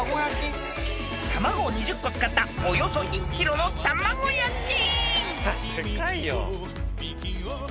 ［卵を２０個使ったおよそ１ｋｇの卵焼き！］